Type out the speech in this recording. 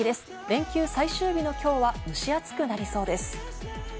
連休最終日の今日は蒸し暑くなりそうです。